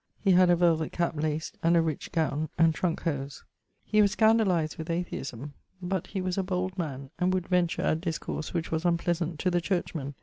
He had a velvet cap laced, and a rich gowne, and trunke hose. He was scandalizd with atheisme; but he was a bold man, and would venture at discourse which was unpleasant to the church men.